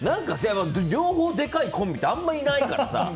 両方でかいコンビってあんまりいないからさ。